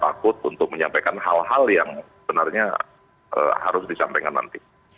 takut untuk menyampaikan hal hal yang sebenarnya harus disampaikan nanti